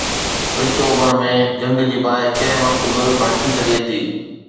وچ اوڀر ۾ جنگ جي باهه ڪنهن به وقت ڀڙڪي سگهي ٿي.